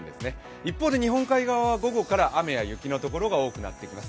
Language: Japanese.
一方で日本海側は午後から雪や雨のところが多くなってきます。